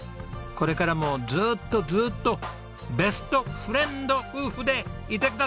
これからもずっとずっとベストフレンド夫婦でいてください。